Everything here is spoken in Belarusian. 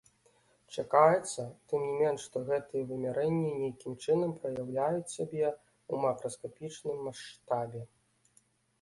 Чакаецца, тым не менш, што гэтыя вымярэнні нейкім чынам праяўляюць сябе ў макраскапічным маштабе.